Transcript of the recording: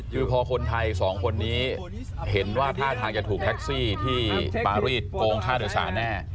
คือพอคนไทยสองคนนี้เห็นว่าท่าทางจะถูกแท็กซี่ที่ปารีสโกงค่าโดยสารแน่